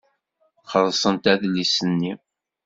Xellṣent adlis-nni.